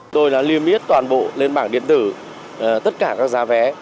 tôi là liêm yết toàn bộ lên bảng điện tử tất cả các giá vé